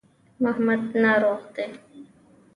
محمد ناروغه دی.